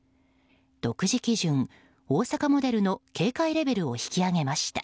独自基準、大阪モデルの警戒レベルを引き上げました。